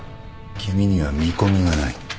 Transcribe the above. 君には見込みがない